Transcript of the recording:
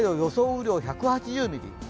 雨量１８０ミリ。